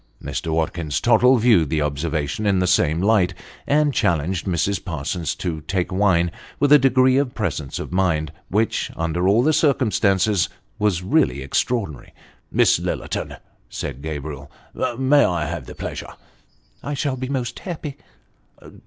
Mr. Watkins Tottle viewed the observation in the same light, and challenged Mrs. Parsons to take wine, with a degree of presence of mind, which, under all the circumstances, was really extraordinary. " Miss Lillerton," said Gabriel, " may I have the pleasure ?"" I shall be most happy."